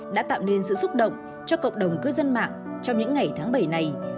đã tạo nên sự xúc động cho cộng đồng cư dân mạng trong những ngày tháng bảy này